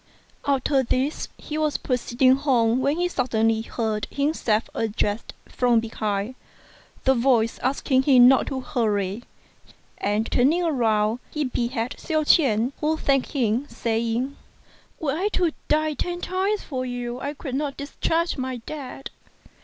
After this, he was proceeding home when he suddenly heard himself addressed from behind, the voice asking him not to hurry; and turning round he beheld Hsiao ch'ien, who thanked him, saying, "Were I to die ten times for you I could not discharge my debt.